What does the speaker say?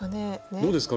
どうですか？